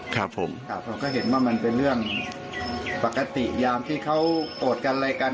ครับผมครับเราก็เห็นว่ามันเป็นเรื่องปกติยามที่เขาโกรธกันอะไรกัน